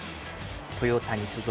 トヨタに所属。